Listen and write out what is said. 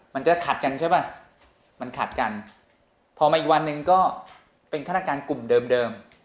มันจะขัดกันใช่ป่ะมันขัดกันพอมาอีกวันหนึ่งก็เป็นฆาตการกลุ่มเดิม